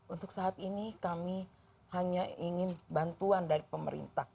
untuk saat ini kami hanya ingin bantuan dari pemerintah